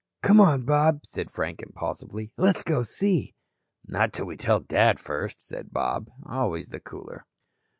"Come on, Bob," said Frank, impulsively. "Let's go see." "Not till we tell Dad, first," said Bob, as always the cooler.